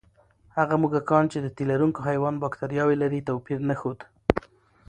هغه موږکان چې د تیلرونکي حیوان بکتریاوې لري، توپیر نه ښود.